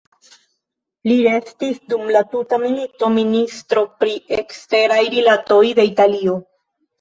Li restis dum la tuta milito ministro pri eksteraj rilatoj de Italio.